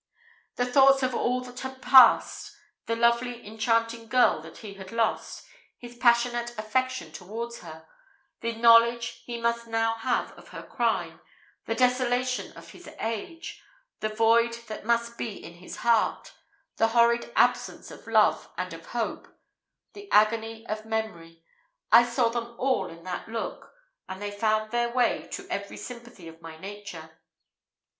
The thoughts of all that had passed the lovely enchanting girl that he had lost his passionate affection towards her the knowledge he must now have of her crime the desolation of his age the void that must be in his heart the horrid absence of love and of hope the agony of memory I saw them all in that look, and they found their way to every sympathy of my nature.